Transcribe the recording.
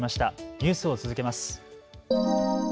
ニュースを続けます。